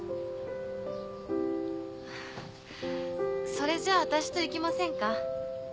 それじゃ私と行きませんか？